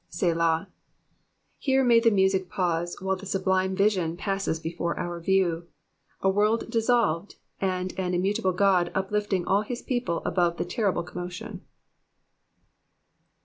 *' "Setah.'' Here may the music pause while the sublime vision passes before our view ; a world dissolved and an immutable God uplifting all bis people above the terrible commotion.